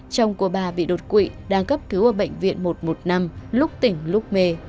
chồng của bà bị đột quỵ đang cấp cứu ở bệnh viện một một năm lúc tỉnh lúc mê